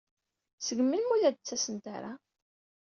Seg melmi ur la d-ttasent ara?